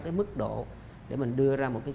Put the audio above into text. cái mức độ để mình đưa ra một cái